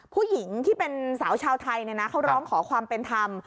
ผู้หญิงที่เป็นสาวชาวไทยเขาร้องขอความเป็นธรรม